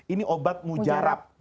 ini obat mujarab